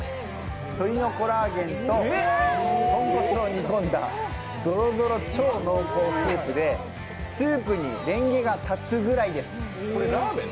鶏のコラーゲンと豚骨を煮込んだドロドロ超濃厚スープでスープにれんげが立つぐらいです。